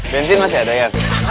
bensin masih ada ya